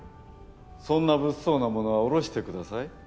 そんな物騒なものは下ろしてください。